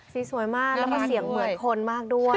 สวยมากแล้วก็เสียงเหมือนคนมากด้วย